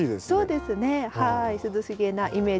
そうですねはい。